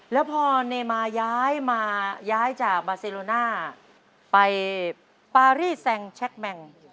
แล้วพอเนมาย้ายมาย้ายจากบาเซโลน่าไปปารีแซงแชคแมง